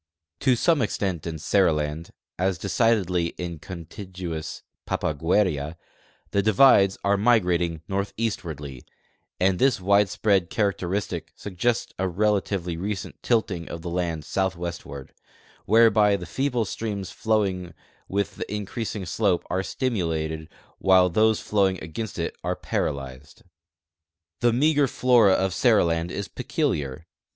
To some extent in Seriland, as decidedly in contigu ous Papagueria, the divides are migrating northeastwardly, and this widesi)read characteristic suggests a relatively recent tilting of the land southwestward, whereby the feeble streams flowing with the increasing sloi)e are stimulated while those flowing against it are paralyzed. The meager flora of Seriland is peculiar.